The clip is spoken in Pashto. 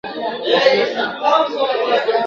افغانانو دښمن ته مخه کړې وه.